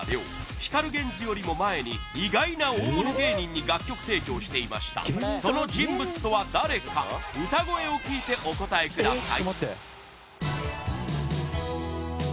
光ＧＥＮＪＩよりも前に意外な大物芸人に楽曲提供していましたその人物とは誰か歌声を聴いてお答えください